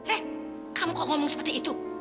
eh kamu kok ngomong seperti itu